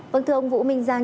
vâng thưa ông vũ minh giang